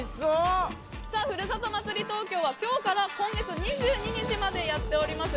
「ふるさと祭り東京」は今日から今月２２日までやっております。